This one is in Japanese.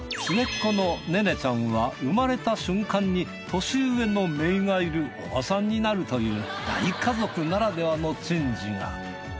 末っ子の愛音ちゃんは生まれた瞬間に年上の姪がいるおばさんになるという大家族ならではの珍事が。